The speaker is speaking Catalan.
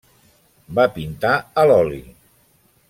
Va pintar a l'oli.